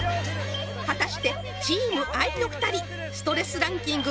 果たしてチームＩの２人ストレスランキング